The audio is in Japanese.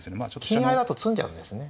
金合いだと詰んじゃうんですね。